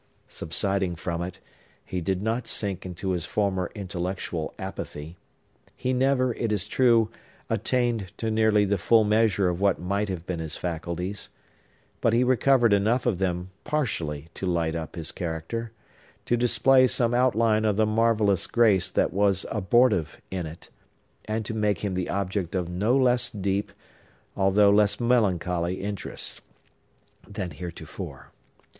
Subsiding from it, he did not sink into his former intellectual apathy. He never, it is true, attained to nearly the full measure of what might have been his faculties. But he recovered enough of them partially to light up his character, to display some outline of the marvellous grace that was abortive in it, and to make him the object of no less deep, although less melancholy interest than heretofore.